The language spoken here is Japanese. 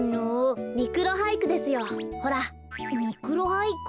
ミクロハイク？